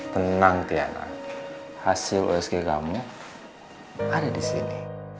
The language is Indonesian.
tenang tiana hasil usg kami ada di sini